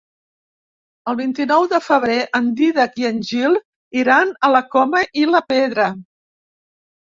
El vint-i-nou de febrer en Dídac i en Gil iran a la Coma i la Pedra.